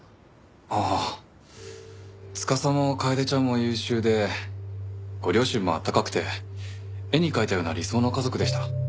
ああ司も楓ちゃんも優秀でご両親も温かくて絵に描いたような理想の家族でした。